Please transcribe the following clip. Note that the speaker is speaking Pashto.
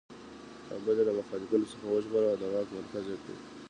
کابل یې له مخالفینو څخه وژغوره او د واک مرکز یې کړ.